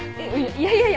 いやいやいや。